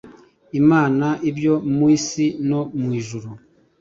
imana, ibyo mu nsi no mu ijuru